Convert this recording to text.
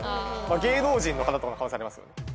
芸能人の方とかの可能性ありますね。